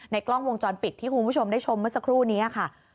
กล้องวงจรปิดที่คุณผู้ชมได้ชมเมื่อสักครู่นี้ค่ะ